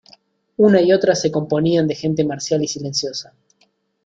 una y otra se componían de gente marcial y silenciosa: